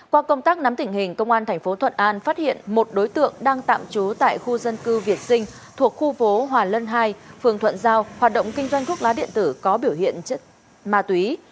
qua công tác nắm tỉnh hình công an tp thuận an phát hiện một đối tượng đang tạm trú tại khu dân cư việt sinh thuộc khu phố hòa lân hai phường thuận giao hoạt động kinh doanh thuốc lá điện tử có biểu hiện ma túy